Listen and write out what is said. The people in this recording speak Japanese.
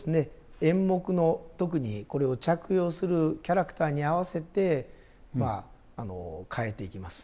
演目の特にこれを着用するキャラクターに合わせてまあ変えていきます。